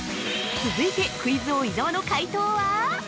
◆続いてクイズ王・伊沢の解答は？